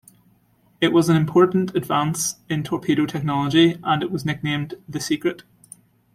It was an important advance in torpedo technology, and it was nicknamed "The Secret".